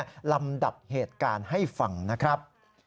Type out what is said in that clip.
และลำดับเหตุการณ์ให้ฟังนะครับ